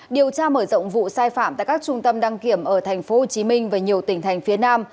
điều tra mở rộng vụ sai phạm tại các trung tâm đăng kiểm ở tp hcm và nhiều tỉnh thành phía nam